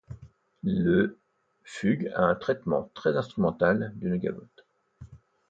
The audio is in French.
Le fugue a un traitement très instrumental d'une gavotte.